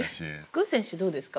具選手どうですか？